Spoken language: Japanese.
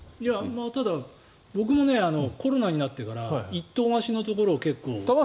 ただ、僕もコロナになってから一棟貸しのところに結構。